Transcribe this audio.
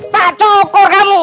pak cukur kamu